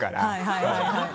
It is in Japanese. はいはい。